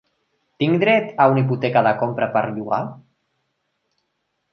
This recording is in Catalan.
Tinc dret a una hipoteca de compra per llogar?